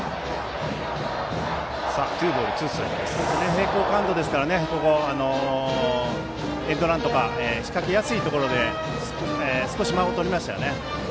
並行カウントですからエンドランとか仕掛けやすいところで少し間をとりましたね。